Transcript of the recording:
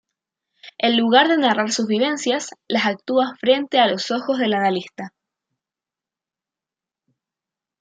En lugar narrar sus vivencias, las actúa frente a los ojos del analista.